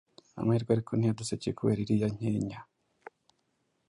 Amahirwe ariko ntiyadusekeye kubera iriya nkenya